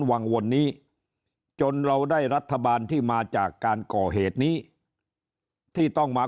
วนนี้จนเราได้รัฐบาลที่มาจากการก่อเหตุนี้ที่ต้องมา